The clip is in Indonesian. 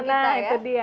nah itu dia